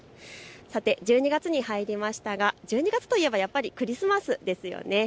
１２月に入りましたが１２月といえばやっぱりクリスマスですよね。